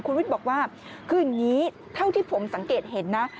คุณวิทย์บอกว่าคืออย่างนี้เท่าที่ผมสังเกตเห็นนะ